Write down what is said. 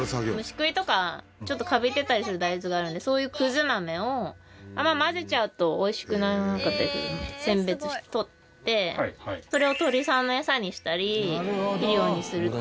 虫食いとかちょっとカビてたりする大豆があるのでそういうクズ豆をあんまり混ぜちゃうと美味しくなかったりするので選別して取ってそれを鶏さんのエサにしたり肥料にする。